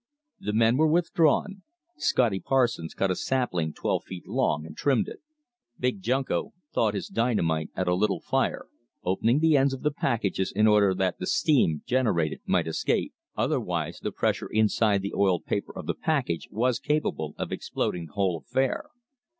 The men were withdrawn. Scotty Parsons cut a sapling twelve feet long, and trimmed it. Big Junko thawed his dynamite at a little fire, opening the ends of the packages in order that the steam generated might escape. Otherwise the pressure inside the oiled paper of the package was capable of exploding the whole affair.